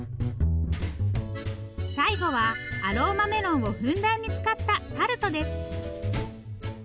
最後はアローマメロンをふんだんに使ったタルトです。